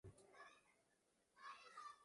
Los hijos de la luna viven libres.